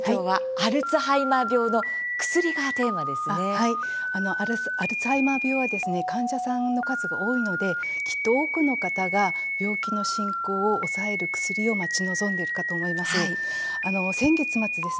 アルツハイマー病は患者さんの数が多いのできっと多くの方が病気の進行を抑える薬を待ち望んでいるかと思います。